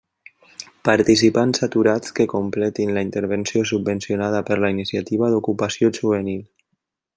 Participants aturats que completin la intervenció subvencionada per la Iniciativa d'Ocupació Juvenil.